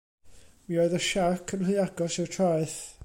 Mi oedd y siarc yn rhy agos i'r traeth.